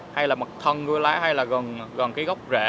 hay là mặt thân của lá hay là gần góc rễ